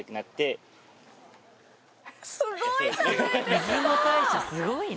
出雲大社すごいな。